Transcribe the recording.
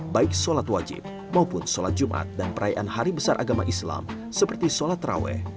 baik sholat wajib maupun sholat jumat dan perayaan hari besar agama islam seperti sholat terawih